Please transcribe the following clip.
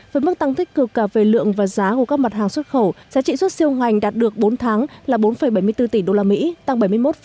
với mức tăng thích cực cả về lượng và giá của các mặt hàng xuất khẩu giá trị xuất siêu ngành đạt được bốn tháng là bốn bảy mươi bốn tỷ usd tăng bảy mươi một bốn